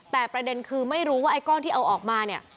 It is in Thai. แต่ประเด็นคือไม่รู้ว่าไอ้ก้อนที่เอาออกมาเนี่ย